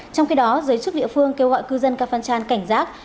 trong khi đó giới chức địa phương kêu gọi cư dân kafan cảnh giác